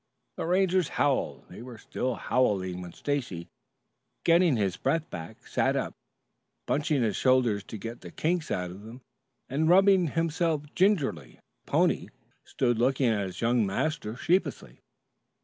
The Rangers howled. They were still bowling when Stacy, getting his breath back, sat up, bunching his shoulders to get the kink out of them, and rubbing himself gingerly. The pony stood looking at its young master sheepishly.